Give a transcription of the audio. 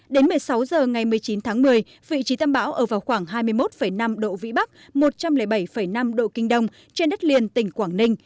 đến một mươi sáu h ngày một mươi chín tháng một mươi vị trí tâm bão ở vào khoảng hai mươi một năm độ vĩ bắc một trăm linh bảy năm độ kinh đông trên đất liền tỉnh quảng ninh